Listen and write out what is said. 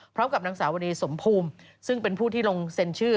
พร้อมกับนางสาวนีสมภูมิซึ่งเป็นผู้ที่ลงเซ็นชื่อ